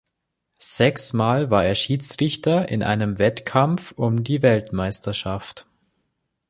Sechsmal war er Schiedsrichter in einen Wettkampf um die Weltmeisterschaft.